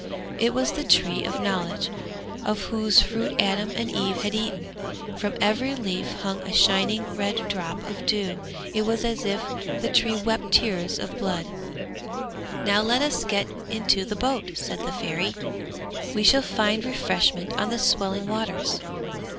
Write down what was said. It was the Tree of Knowledge, of whose fruit Adam and Eve had eaten. From every leaf hung a shining red drop of dew; it was as if the tree wept tears of blood. 'Now let us get into the boat,' said the Fairy. 'We shall find refreshment on the swelling waters.